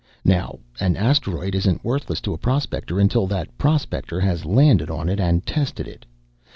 Now, an asteroid isn't worthless to a prospector until that prospector has landed on it and tested it.